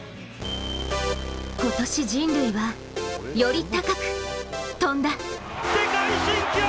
今年人類は、より高く跳んだ。